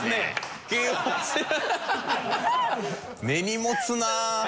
根に持つなあ。